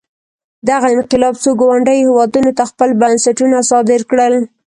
دغه انقلاب څو ګاونډیو هېوادونو ته خپل بنسټونه صادر کړل.